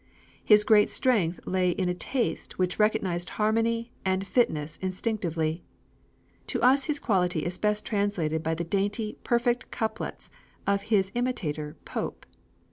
His great strength lay in a taste which recognized harmony and fitness instinctively. To us his quality is best translated by the dainty, perfect couplets of his imitator Pope.